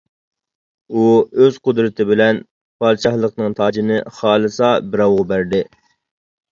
ئۇ ئۆز قۇدرىتى بىلەن پادىشاھلىقنىڭ تاجىنى خالىسا بىراۋغا بەردى.